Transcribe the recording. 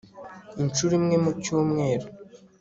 incuro imwe mu cyumweru